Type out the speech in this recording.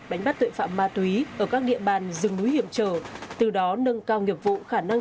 đánh bắt tội phạm ma túy ở các địa bàn rừng núi hiểm trở từ đó nâng cao nghiệp vụ khả năng